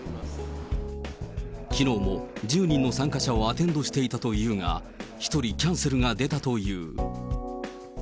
きのうも１０人の参加者をアテンドしていたというが、１人キャンセルが出たという。